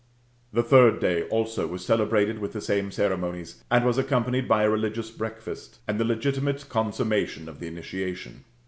The third day also was celebrated with the same ceremonies, and was accompanied by, a religious breakfast, and the legitimate consummation of the initiation.